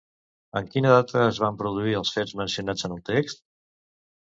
En quina data es van produir els fets mencionats en el text?